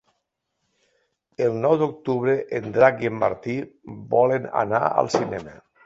El nou d'octubre en Drac i en Martí volen anar al cinema.